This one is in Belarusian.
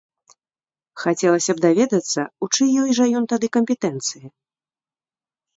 Хацелася б даведацца, у чыёй жа ён тады кампетэнцыі?